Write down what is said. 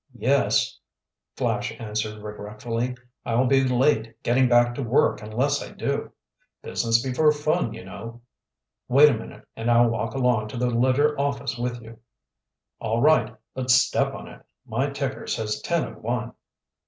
"Yes," Flash answered regretfully, "I'll be late getting back to work unless I do. Business before fun, you know." "Wait a minute and I'll walk along to the Ledger office with you." "All right, but step on it! My ticker says ten of one."